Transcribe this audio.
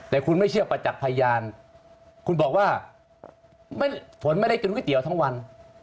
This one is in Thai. แต่คุณไม่เชื่อประจักษ์พยานคุณบอกว่าฝนไม่ได้กินก๋วยเตี๋ยวทั้งวัน